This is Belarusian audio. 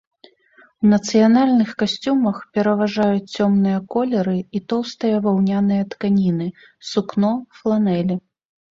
У нацыянальных касцюмах пераважаюць цёмныя колеры і тоўстыя ваўняныя тканіны, сукно, фланелі.